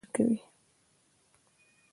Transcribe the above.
خپل پټ غم او مصیبت په خندا او خوښۍ کې ښکاره کوي